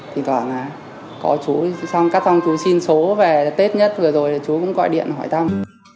thỉnh thoảng là có chú xong cắt xong chú xin số về là tết nhất vừa rồi chú cũng gọi điện hỏi tóc